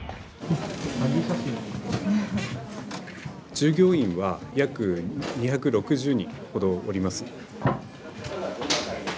従業員は約２６０人ほどおります。